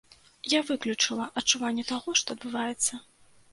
Я выключыла адчуванне таго, што адбываецца.